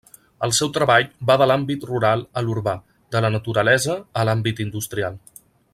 El seu treball va de l'àmbit rural a l'urbà, de la naturalesa a l'àmbit l'industrial.